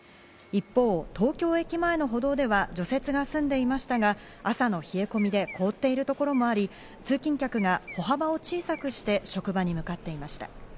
一方、東京駅前の歩道では除雪が済んでいましたが、朝の冷え込みで凍っているところもあり、通勤客が歩幅を小さくして職場に向かっていました。